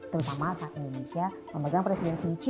terutama saat indonesia memegang presiden di g dua puluh